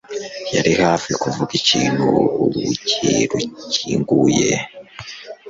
yari hafi kuvuga ikintu urugi rukinguye.